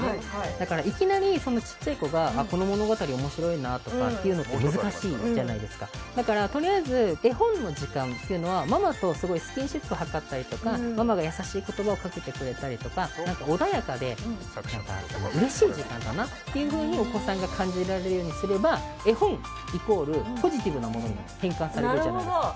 だからいきなりちっちゃい子がだからとりあえず絵本の時間っていうのはママとすごいスキンシップ図ったりとかママが優しい言葉をかけてくれたりとか穏やかで嬉しい時間だなっていうふうにお子さんが感じられるようにすれば絵本イコールポジティブなものに変換されるじゃないですか